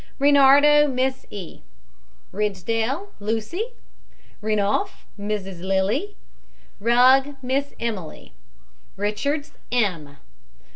REINARDO, MISS E. RIDSDALE, LUCY. RENOUF, MRS. LILY. RUGG, MISS EMILY. RICHARDS, M.